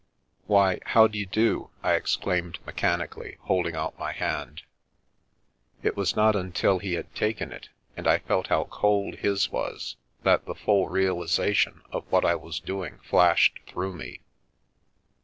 " Why, how d'you do ?" I exclaimed, mechanically, holding out my hand. It was not until he had taken it, and I felt how cold his was, that the full realisation of what I was doing flashed through me.